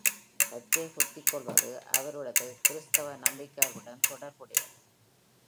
பச்சை குத்திக்கொள்வது அவரது கிறிஸ்தவ நம்பிக்கைகளுடன் தொடர்புடையது.